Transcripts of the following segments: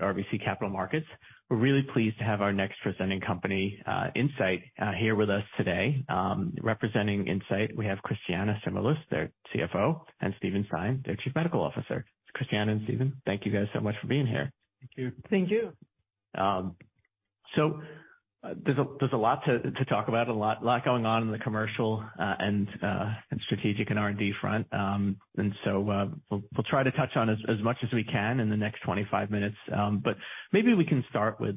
RBC Capital Markets. We're really pleased to have our next presenting company, Incyte, here with us today. Representing Incyte, we have Christiana Stamoulis, their CFO, and Steven H. Stein, their Chief Medical Officer. Christiana and Steven, thank you guys so much for being here. Thank you. Thank you. There's a lot to talk about. A lot going on in the commercial and strategic and R&D front. We'll try to touch on as much as we can in the next 25 minutes. Maybe we can start with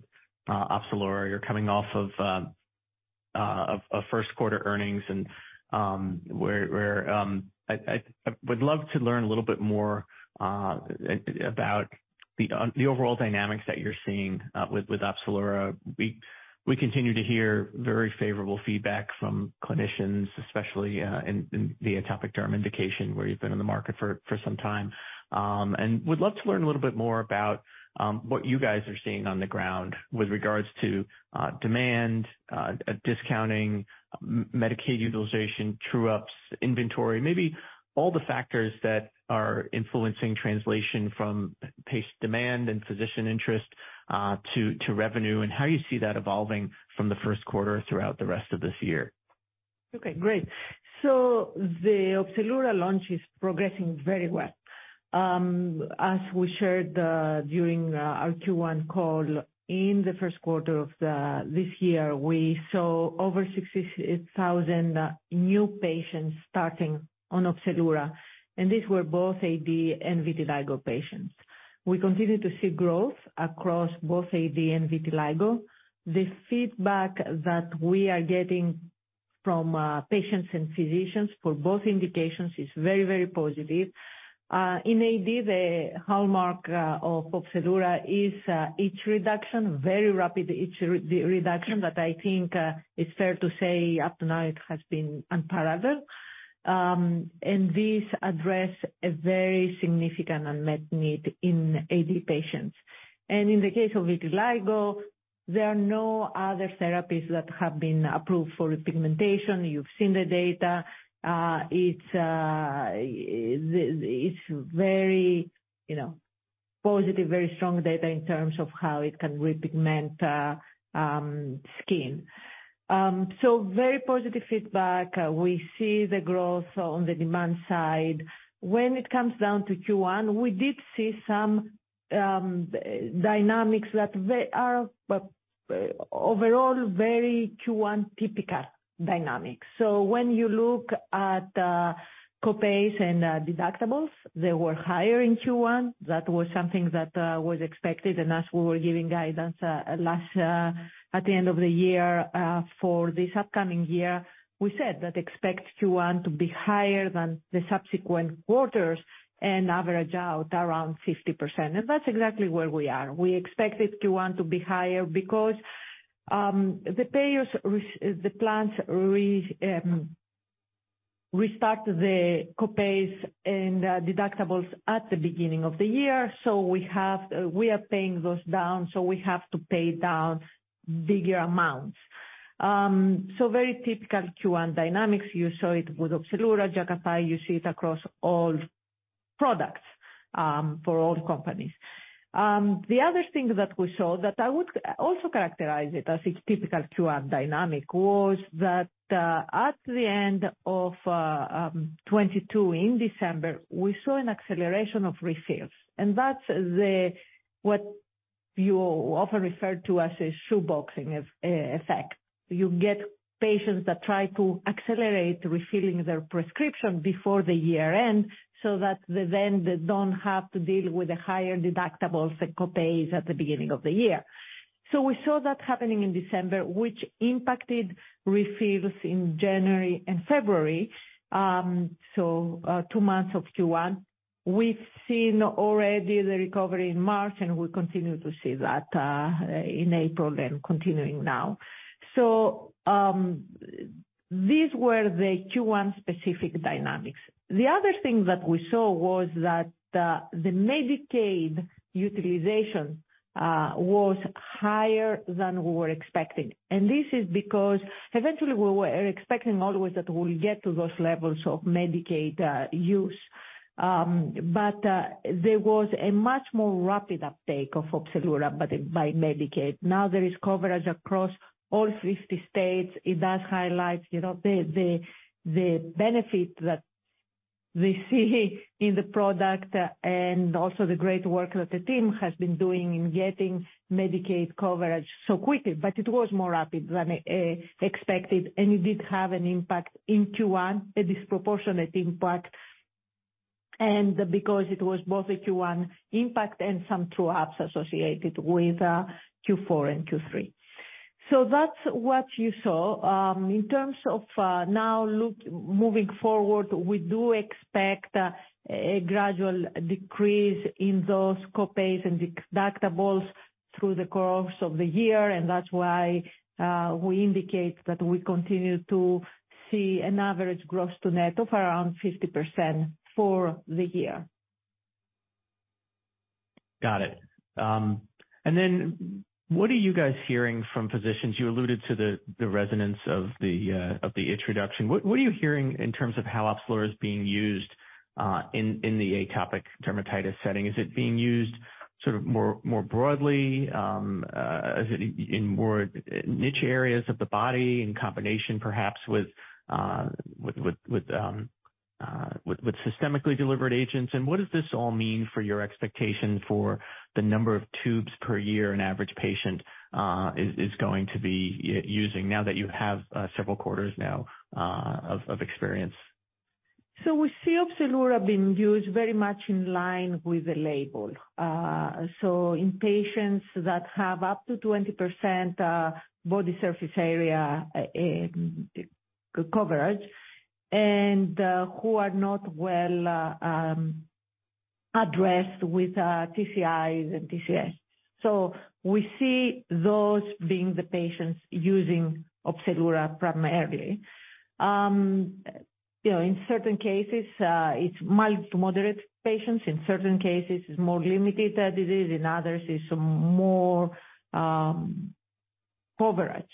Opzelura. You're coming off of first quarter earnings, and I would love to learn a little bit more about the overall dynamics that you're seeing with Opzelura. We continue to hear very favorable feedback from clinicians, especially in the atopic derm indication, where you've been in the market for some time. Would love to learn a little bit more about what you guys are seeing on the ground with regards to demand, discounting, Medicaid utilization, true-ups, inventory. Maybe all the factors that are influencing translation from patient demand and physician interest to revenue, and how you see that evolving from the first quarter throughout the rest of this year. Okay, great. The Opzelura launch is progressing very well. As we shared during our Q1 call, in the first quarter of this year, we saw over 68,000 new patients starting on Opzelura, and these were both AD and vitiligo patients. We continue to see growth across both AD and vitiligo. The feedback that we are getting from patients and physicians for both indications is very, very positive. In AD, the hallmark of Opzelura is itch reduction, very rapid itch re-reduction that I think is fair to say up to now it has been unparalleled. This address a very significant unmet need in AD patients. In the case of vitiligo, there are no other therapies that have been approved for repigmentation. You've seen the data. It's very, you know, positive, very strong data in terms of how it can repigment skin. Very positive feedback. We see the growth on the demand side. When it comes down to Q1, we did see some dynamics that they are overall, very Q1 typical dynamics. When you look at copays and deductibles, they were higher in Q1. That was something that was expected. As we were giving guidance last at the end of the year for this upcoming year, we said that expect Q1 to be higher than the subsequent quarters and average out around 50%. That's exactly where we are. We expected Q1 to be higher because the payers the plans restart the copays and deductibles at the beginning of the year. We are paying those down, so we have to pay down bigger amounts. Very typical Q1 dynamics. You saw it with Opzelura, Jakafi. You see it across all products for all companies. The other thing that we saw that I would also characterize it as a typical Q1 dynamic was that at the end of 2022, in December, we saw an acceleration of refills, and that's the, what you often refer to as a shoeboxing effect. You get patients that try to accelerate refilling their prescription before the year ends so that they don't have to deal with the higher deductibles and copays at the beginning of the year. We saw that happening in December, which impacted refills in January and February, so two months of Q1. We've seen already the recovery in March, and we continue to see that in April and continuing now. These were the Q1 specific dynamics. The other thing that we saw was that the Medicaid utilization was higher than we were expecting. This is because eventually we were expecting always that we'll get to those levels of Medicaid use. There was a much more rapid uptake of Opzelura by the, by Medicaid. Now there is coverage across all 50 states. It does highlight, you know, the, the benefit that we see in the product and also the great work that the team has been doing in getting Medicaid coverage so quickly. It was more rapid than expected, and it did have an impact in Q1, a disproportionate impact. Because it was both a Q1 impact and some true-ups associated with Q4 and Q3. That's what you saw. In terms of, now look moving forward, we do expect a gradual decrease in those copays and deductibles through the course of the year. That's why, we indicate that we continue to see an average gross to net of around 50% for the year. Got it. What are you guys hearing from physicians? You alluded to the resonance of the itch reduction. What are you hearing in terms of how Opzelura is being used in the atopic dermatitis setting? Is it being used sort of more broadly? Is it in more niche areas of the body in combination perhaps with systemically delivered agents? What does this all mean for your expectation for the number of tubes per year an average patient is going to be using now that you have several quarters now of experience? We see Opzelura being used very much in line with the label. In patients that have up to 20% body surface area coverage and who are not well addressed with TCIs and TCS. We see those being the patients using Opzelura primarily. You know, in certain cases, it's mild to moderate patients. In certain cases it's more limited disease. In others is some more coverage,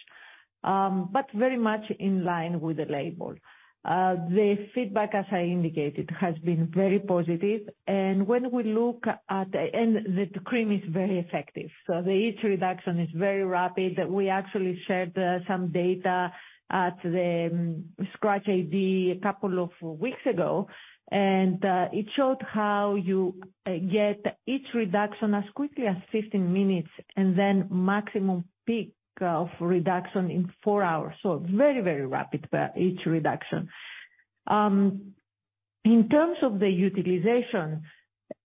but very much in line with the label. The feedback, as I indicated, has been very positive. When we look at... The cream is very effective. The itch reduction is very rapid. We actually shared some data at the SCRATCH-AD a couple of weeks ago, and it showed how you get itch reduction as quickly as 15 minutes and then maximum peak of reduction in four hours. Very, very rapid itch reduction. In terms of the utilization,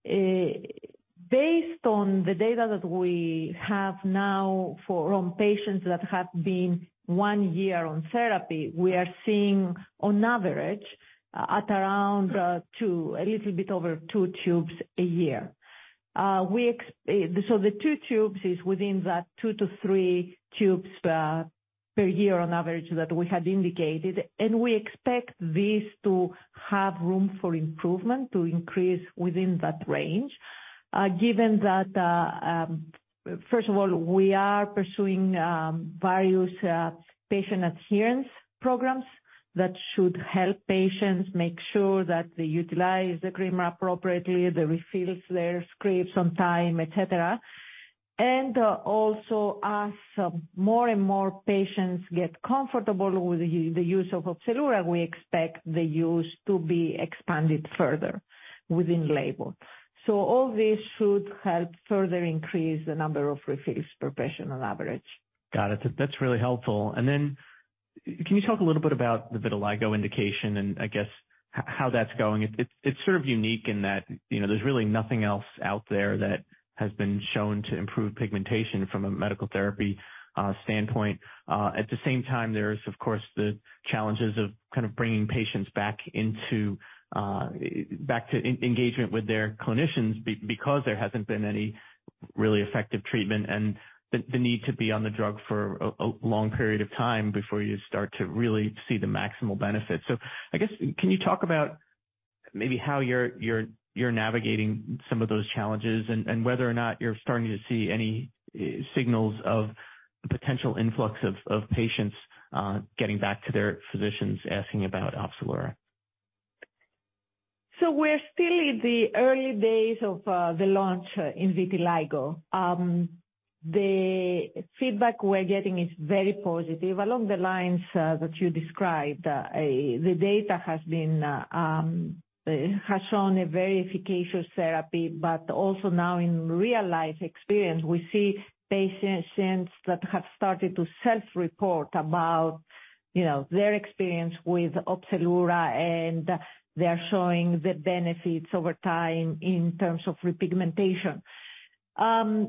based on the data that we have now for on patients that have been one year on therapy, we are seeing on average at around two, a little bit over two tubes a year. The two tubes is within that 2-3 tubes per year on average that we had indicated, and we expect this to have room for improvement to increase within that range. Given that, first of all, we are pursuing various patient adherence programs that should help patients make sure that they utilize the cream appropriately, they refill their scripts on time, et cetera. Also, as more and more patients get comfortable with the use of Opzelura, we expect the use to be expanded further within label. All this should help further increase the number of refills per patient on average. Got it. That's really helpful. Can you talk a little bit about the vitiligo indication and I guess how that's going? It's sort of unique in that, you know, there's really nothing else out there that has been shown to improve pigmentation from a medical therapy, standpoint. At the same time, there's of course the challenges of kind of bringing patients back into, back to engagement with their clinicians because there hasn't been any really effective treatment and the need to be on the drug for a long period of time before you start to really see the maximal benefit. I guess, can you talk about maybe how you're navigating some of those challenges and whether or not you're starting to see any signals of potential influx of patients getting back to their physicians, asking about Opzelura? We're still in the early days of the launch in vitiligo. The feedback we're getting is very positive. Along the lines that you described, the data has been has shown a very efficacious therapy. Also now in real-life experience, we see patients that have started to self-report about, you know, their experience with Opzelura, and they're showing the benefits over time in terms of repigmentation.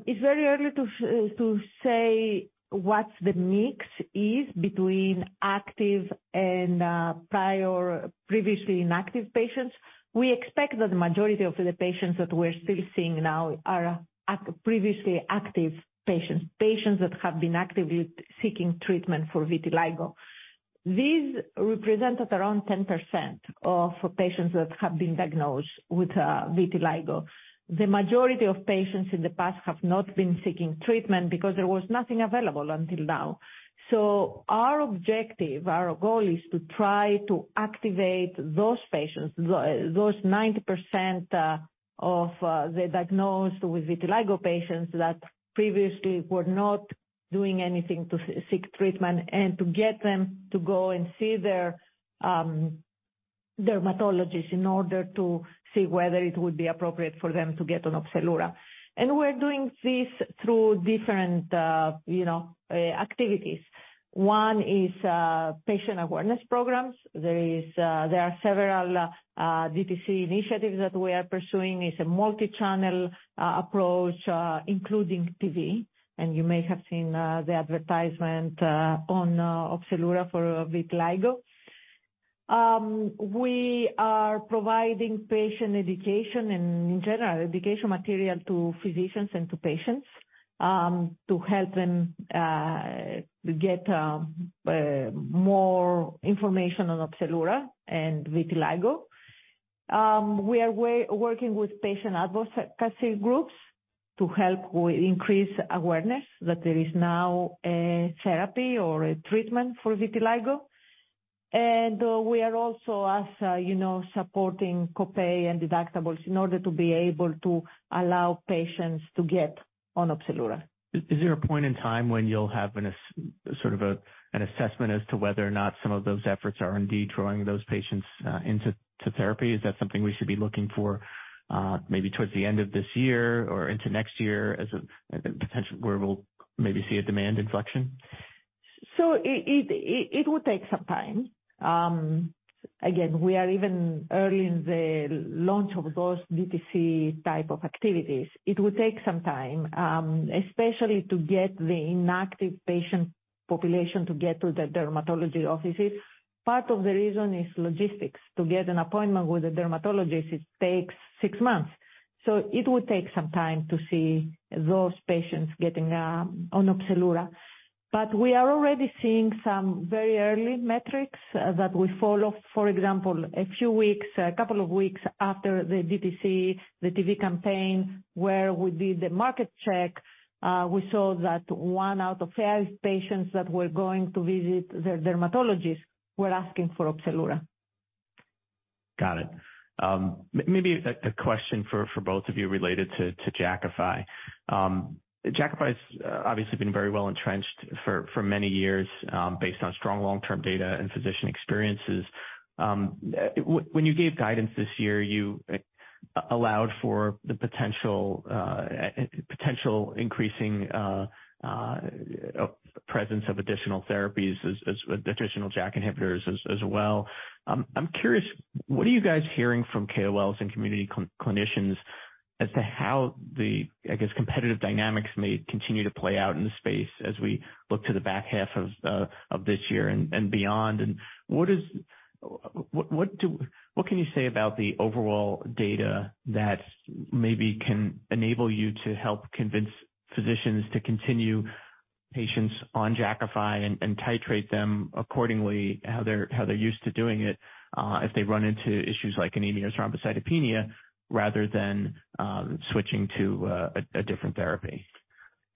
It's very early to say what the mix is between active and previously inactive patients. We expect that the majority of the patients that we're still seeing now are previously active patients that have been actively seeking treatment for vitiligo. These represent around 10% of patients that have been diagnosed with vitiligo. The majority of patients in the past have not been seeking treatment because there was nothing available until now. Our objective, our goal is to try to activate those patients, those 90% of the diagnosed with vitiligo patients that previously were not doing anything to seek treatment and to get them to go and see their dermatologists in order to see whether it would be appropriate for them to get on Opzelura. We're doing this through different, you know, activities. One is patient awareness programs. There is, there are several DTC initiatives that we are pursuing. It's a multi-channel approach including TV, and you may have seen the advertisement on Opzelura for vitiligo. We are providing patient education and, in general, education material to physicians and to patients, to help them get more information on Opzelura and vitiligo. We are working with patient advocacy groups to help with increased awareness that there is now a therapy or a treatment for vitiligo. We are also, as you know, supporting co-pay and deductibles in order to be able to allow patients to get on Opzelura. Is there a point in time when you'll have an assessment as to whether or not some of those efforts are indeed drawing those patients into therapy? Is that something we should be looking for, maybe towards the end of this year or into next year as a, as a potential where we'll maybe see a demand inflection? It will take some time. Again, we are even early in the launch of those DTC type of activities. It will take some time, especially to get the inactive patient population to get to the dermatology offices. Part of the reason is logistics. To get an appointment with a dermatologist, it takes six months. It would take some time to see those patients getting on Opzelura. We are already seeing some very early metrics that we follow. For example, a few weeks, a couple of weeks after the DTC, the TV campaign, where we did the market check, we saw that 1 out of 5 patients that were going to visit the dermatologist were asking for Opzelura. Got it. Maybe a question for both of you related to Jakafi. Jakafi's obviously been very well entrenched for many years based on strong long-term data and physician experiences. When you gave guidance this year, you allowed for the potential increasing presence of additional therapies as with additional JAK inhibitors as well. I'm curious, what are you guys hearing from KOLs and community clinicians as to how the, I guess, competitive dynamics may continue to play out in the space as we look to the back half of this year and beyond? What is... What do... What can you say about the overall data that maybe can enable you to help convince physicians to continue patients on Jakafi and titrate them accordingly, how they're used to doing it, if they run into issues like anemia or thrombocytopenia rather than switching to a different therapy?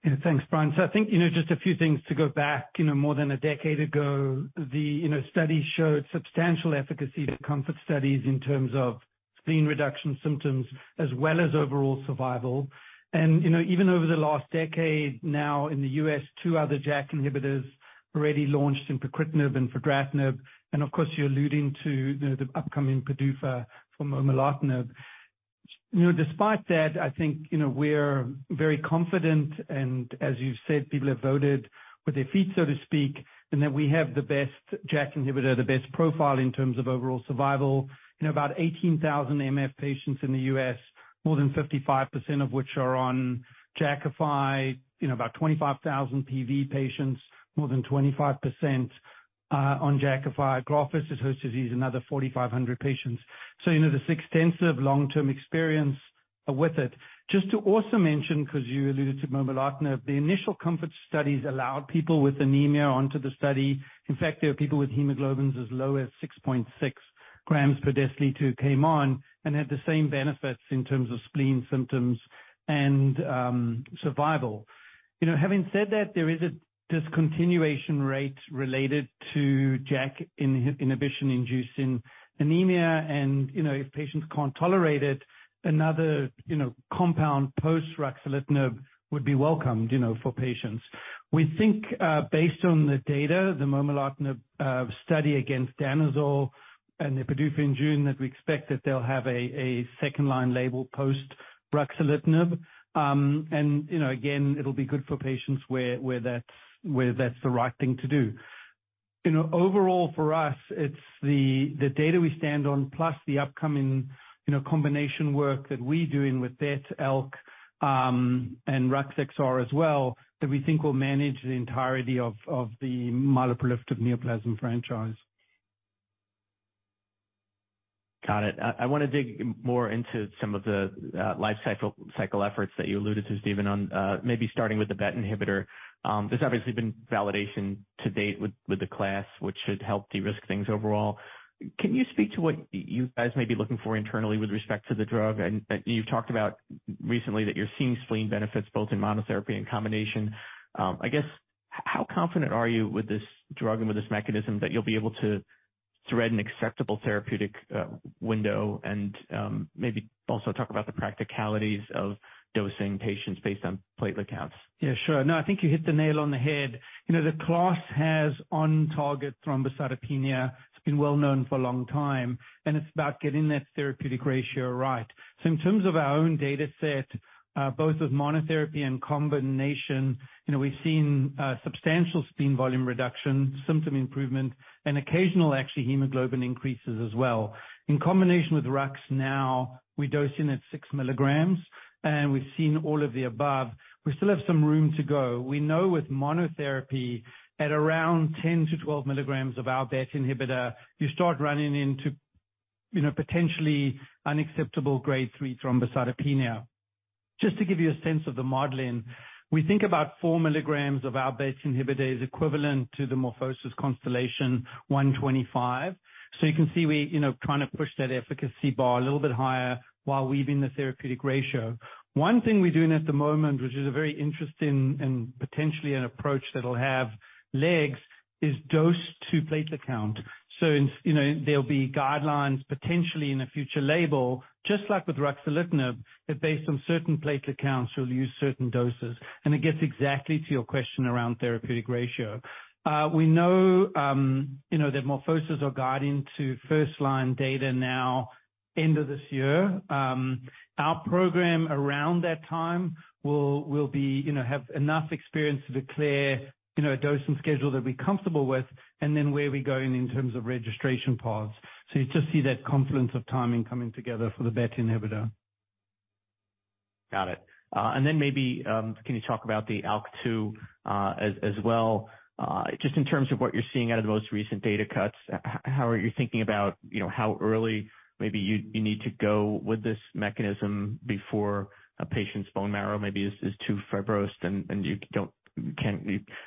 Yeah. Thanks, Brian. I think, you know, just a few things to go back, you know, more than a decade ago, the, you know, study showed substantial efficacy in COMFORT studies in terms of spleen reduction symptoms as well as overall survival. You know, even over the last decade now in the U.S., two other JAK inhibitors already launched in pacritinib and fedratinib, and of course, you're alluding to the upcoming PDUFA for momelotinib. You know, despite that, I think, you know, we're very confident, and as you've said, people have voted with their feet, so to speak, in that we have the best JAK inhibitor, the best profile in terms of overall survival. You know, about 18,000 MF patients in the U.S., more than 55% of which are on Jakafi. You know, about 25,000 PV patients, more than 25% on Jakafi. graft-versus-host disease, another 4,500 patients. You know, this extensive long-term experience with it. Just to also mention, because you alluded to momelotinib, the initial COMFORT studies allowed people with anemia onto the study. In fact, there are people with hemoglobins as low as 6.6 grams per deciliter who came on and had the same benefits in terms of spleen symptoms and survival. You know, having said that, there is a discontinuation rate related to JAK inhibition inducing anemia and, you know, if patients can't tolerate it, another, you know, compound post-ruxolitinib would be welcomed, you know, for patients. We think, based on the data, the momelotinib study against danazol and the PDUFA in June, that we expect that they'll have a second line label post-ruxolitinib. You know, again, it'll be good for patients where that's, where that's the right thing to do. You know, overall for us, it's the data we stand on, plus the upcoming, you know, combination work that we're doing with BET, ALK, and ruxolitinib XR as well, that we think will manage the entirety of the myeloproliferative neoplasm franchise. Got it. I wanna dig more into some of the lifecycle efforts that you alluded to, Steven, on, maybe starting with the BET inhibitor. There's obviously been validation to date with the class, which should help de-risk things overall. Can you speak to what you guys may be looking for internally with respect to the drug? And you've talked about recently that you're seeing spleen benefits both in monotherapy and combination. I guess how confident are you with this drug and with this mechanism that you'll be able to thread an acceptable therapeutic window? Maybe also talk about the practicalities of dosing patients based on platelet counts. Yeah, sure. No, I think you hit the nail on the head. You know, the class has on target thrombocytopenia. It's been well known for a long time, and it's about getting that therapeutic ratio right. In terms of our own dataset, both with monotherapy and combination, you know, we've seen substantial spleen volume reduction, symptom improvement and occasional actually hemoglobin increases as well. In combination with RUX now, we dosing at 6 milligrams, and we've seen all of the above. We still have some room to go. We know with monotherapy at around 10-12 milligrams of our BET inhibitor, you start running into, you know, potentially unacceptable grade three thrombocytopenia. Just to give you a sense of the modeling, we think about 4 milligrams of our BET inhibitor is equivalent to the MorphoSys Constellation 125. You can see we, you know, trying to push that efficacy bar a little bit higher while weaving the therapeutic ratio. One thing we're doing at the moment, which is a very interesting and potentially an approach that'll have legs, is dose to platelet count. In, you know, there'll be guidelines potentially in a future label, just like with ruxolitinib, that based on certain platelet counts, you'll use certain doses. It gets exactly to your question around therapeutic ratio. We know, you know, that MorphoSys are guiding to first line data now end of this year. Our program around that time will be, you know, have enough experience to declare, you know, a dosing schedule that we're comfortable with and then where we're going in terms of registration paths. You just see that confluence of timing coming together for the BET inhibitor. Got it. Then maybe, can you talk about the ALK2 as well? Just in terms of what you're seeing out of the most recent data cuts, how are you thinking about, you know, how early maybe you need to go with this mechanism before a patient's bone marrow maybe is too fibrosed and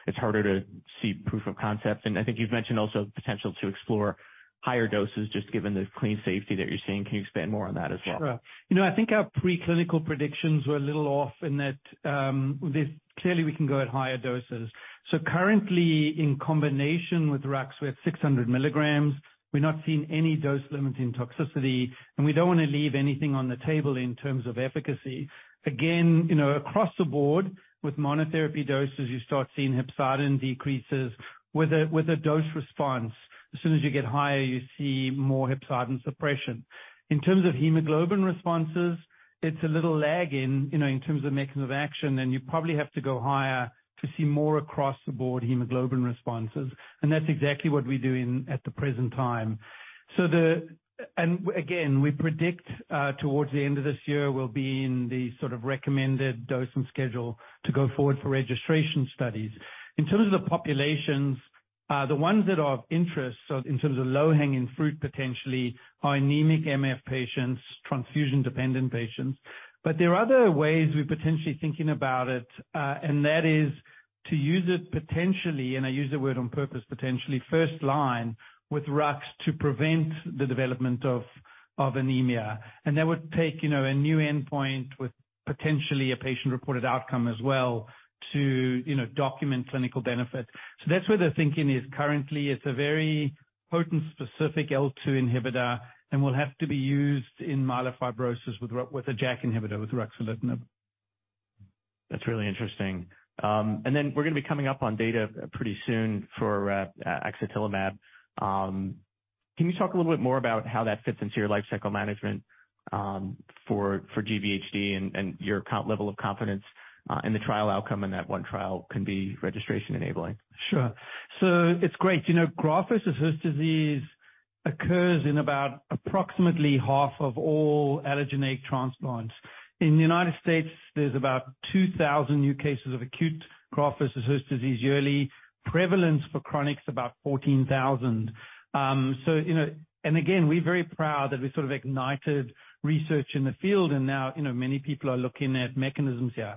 it's harder to see proof of concept. I think you've mentioned also the potential to explore higher doses just given the clean safety that you're seeing. Can you expand more on that as well? Sure. You know, I think our preclinical predictions were a little off in that, this clearly we can go at higher doses. Currently, in combination with Rux, we're at 600 mg. We're not seeing any dose-limiting toxicity, and we don't wanna leave anything on the table in terms of efficacy. Again, you know, across the board with monotherapy doses, you start seeing hepcidin decreases with a dose response. As soon as you get higher, you see more hepcidin suppression. In terms of hemoglobin responses, it's a little lag in, you know, in terms of mechanism of action, and you probably have to go higher to see more across-the-board hemoglobin responses. That's exactly what we're doing at the present time. Again, we predict, towards the end of this year, we'll be in the sort of recommended dosing schedule to go forward for registration studies. In terms of the populations, the ones that are of interest, so in terms of low-hanging fruit, potentially are anemic MF patients, transfusion-dependent patients. There are other ways we're potentially thinking about it, and that is to use it potentially, and I use the word on purpose, potentially, first line with Rux to prevent the development of anemia. That would take, you know, a new endpoint with potentially a patient-reported outcome as well to, you know, document clinical benefit. That's where the thinking is currently. It's a very potent, specific ALK2 inhibitor and will have to be used in myelofibrosis with a JAK inhibitor, with ruxolitinib. That's really interesting. We're gonna be coming up on data pretty soon for axatilimab. Can you talk a little bit more about how that fits into your lifecycle management, for GVHD and your count level of confidence, in the trial outcome and that one trial can be registration-enabling? Sure. It's great. You know, graft-versus-host disease occurs in about approximately half of all allogeneic transplants. In the United States, there's about 2,000 new cases of acute graft-versus-host disease yearly. Prevalence for chronic's about 14,000. You know, again, we're very proud that we sort of ignited research in the field, and now, you know, many people are looking at mechanisms here.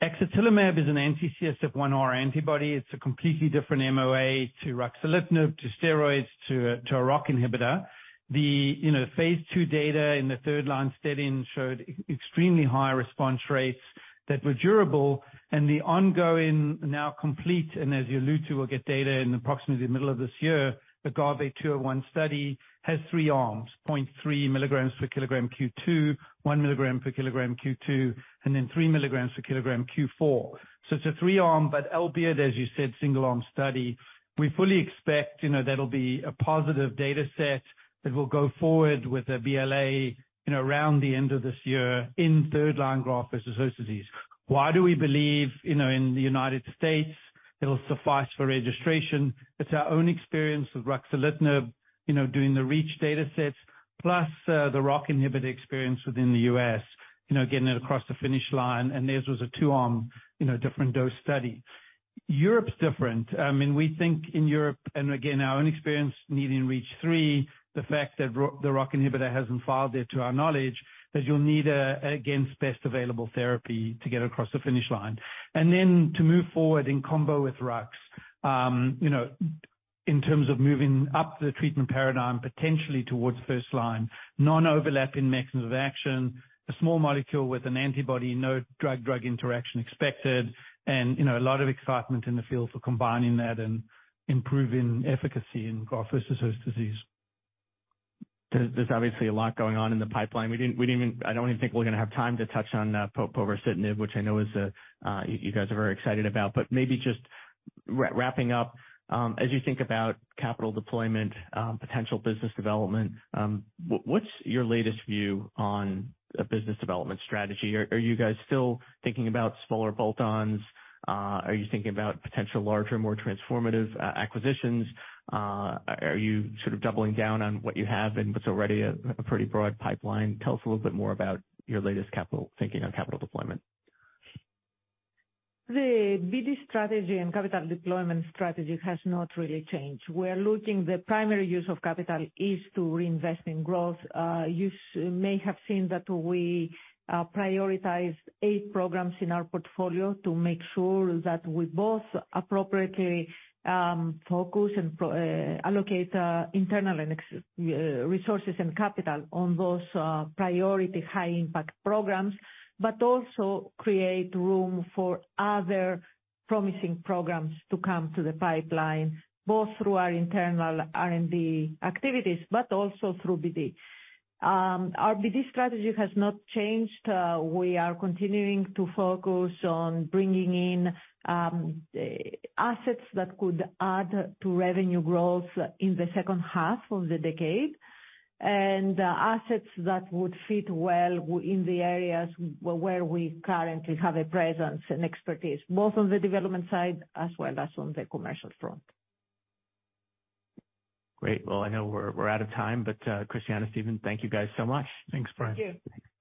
Axatilimab is an anti-CSF1R antibody. It's a completely different MOA to ruxolitinib, to steroids, to a ROCK inhibitor. You know, Phase II data in the third line setting showed extremely high response rates that were durable. The ongoing, now complete, and as you allude to, we'll get data in approximately the middle of this year. The AGAVE-201 study has three arms, 0.3 milligrams per kilogram Q2, 1 milligram per kilogram Q2, and 3 milligrams per kilogram Q4. It's a three-arm, but albeit, as you said, single-arm study. We fully expect, you know, that'll be a positive data set that will go forward with a BLA, you know, around the end of this year in third-line graft-versus-host disease. Why do we believe, you know, in the United States it'll suffice for registration? It's our own experience with ruxolitinib, you know, doing the REACH datasets plus the ROCK inhibitor experience within the U.S., you know, getting it across the finish line. Theirs was a two-arm, you know, different dose study. Europe's different. I mean, we think in Europe, and again, our own experience needing REACH3, the fact that the ROCK inhibitor hasn't filed there to our knowledge, that you'll need against best available therapy to get across the finish line. To move forward in combo with Rux, you know, in terms of moving up the treatment paradigm, potentially towards first line, non-overlapping mechanisms of action, a small molecule with an antibody, no drug-drug interaction expected, and, you know, a lot of excitement in the field for combining that and improving efficacy in graft versus host disease. There's obviously a lot going on in the pipeline. We didn't I don't even think we're gonna have time to touch on povorcitinib, which I know is you guys are very excited about. Maybe just wrapping up, as you think about capital deployment, potential business development, what's your latest view on a business development strategy? Are you guys still thinking about smaller bolt-ons? Are you thinking about potential larger, more transformative acquisitions? Are you sort of doubling down on what you have and what's already a pretty broad pipeline? Tell us a little bit more about your latest capital thinking on capital deployment. The BD strategy and capital deployment strategy has not really changed. We're looking the primary use of capital is to reinvest in growth. You may have seen that we prioritized eight programs in our portfolio to make sure that we both appropriately focus and allocate internal and resources and capital on those priority high-impact programs, also create room for other promising programs to come to the pipeline, both through our internal R&D activities but also through BD. Our BD strategy has not changed. We are continuing to focus on bringing in assets that could add to revenue growth in the second half of the decade and assets that would fit well in the areas where we currently have a presence and expertise, both on the development side as well as on the commercial front. Great. Well, I know we're out of time, but Christiana and Steven, thank you guys so much. Thanks, Brian. Thank you.